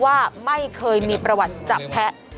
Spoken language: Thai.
ว่าไม่เคยมีประวัติจับแพ้